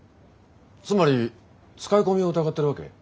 つまり使い込みを疑ってるわけ？